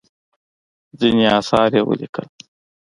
ځینې اثار یې ولیکل.